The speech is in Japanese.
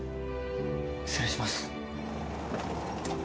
失礼します。